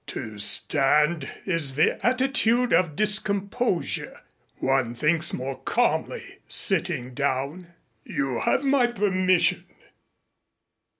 To stand is the attitude of discomposure. One thinks more calmly sitting down. You have my permission.